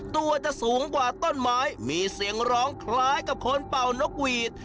ตัวจะสูงกว่าต้นไม้มีเสียงร้องคล้ายกับคนเป่านกหวีด